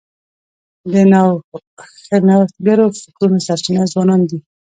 د نوښتګرو فکرونو سرچینه ځوانان دي.